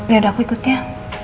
yaudah aku ikut ya